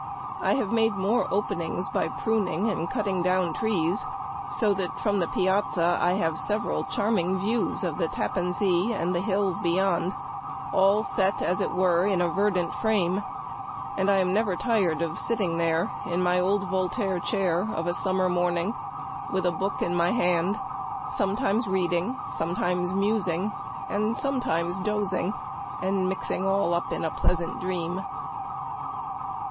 I have made more openings by pruning and cutting down trees, so that from the piazza I have several charming views of the Tappan Sea and the hills beyond, all set, as it were, in a verdant frame ; and I am never tired of sitting there in my old Voltaire chair of a sum mer morning, with a book in my hand, sometimes reading, sometimes musing, and sometimes doz ing, and mixing all up in a pleasant dream." 280 Memoir of Washington Irving.